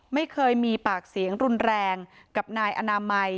ไม่เคยมีปากเสียงรุนแรงกับนายอนามัย